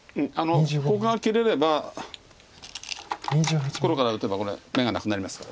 ここが切れれば黒から打てばこれ眼がなくなりますから。